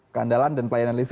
keandalan dan pelayanan listrik